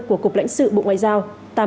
của cục lãnh sự bộ ngoại giao